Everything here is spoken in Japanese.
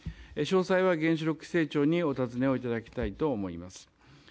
詳細は原子力規制庁にお尋ねいただきたいと思います。